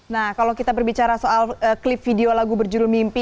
nah kalau kita berbicara soal klip video lagu berjudul mimpi